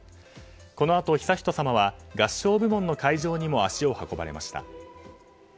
このあと悠仁さまは合唱部門の会場にも足を運ばれました。